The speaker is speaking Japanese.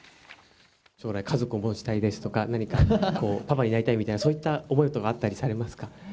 将来家族を持ちたいですとか、何かパパになりたいといった、そういった思いというのはあったり